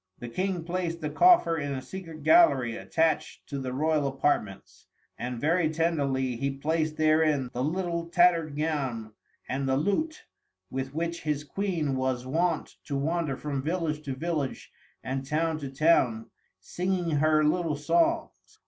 The King placed the coffer in a secret gallery attached to the royal apartments, and very tenderly he placed therein the little tattered gown and the lute with which his Queen was wont to wander from village to village and town to town, singing her little songs.